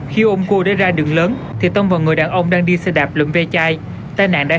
khi ôm cua đã ra đường lớn thì tâm vần người đàn ông đang đi xe đạp lựm vê chai tai nạn đã